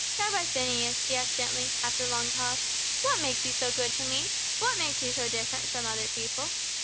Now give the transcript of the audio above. "Rabbi Phineas," he asked gently, after a long pause, "what makes you so good to me? What makes you so different from other people?